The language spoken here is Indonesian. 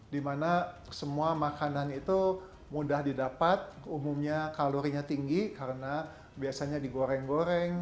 dimana semua makanan itu mudah didapat umumnya kalorinya tinggi karena biasanya digoreng goreng